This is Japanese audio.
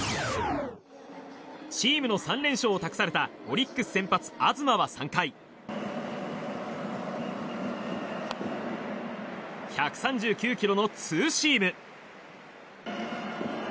チームの３連勝を託されたオリックス先発、東は３回１３９キロのツーシーム。